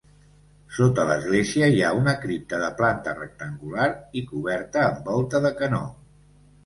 Sota l'església hi ha una cripta de planta rectangular i coberta amb volta de canó.